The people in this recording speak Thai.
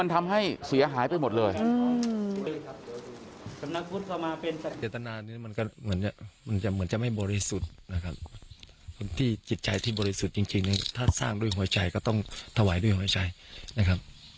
ที่จิตใจที่บริสุทธิ์จริงถ้าสร้างด้วยหัวใจก็ต้องถวายด้วยหัวใจนะครับ